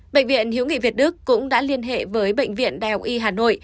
bệnh viện hiếu nghị việt đức cũng đã liên hệ với bệnh viện đại học y hà nội